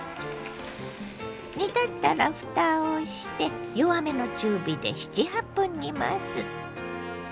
煮立ったらふたをして弱めの中火で７８分煮ます。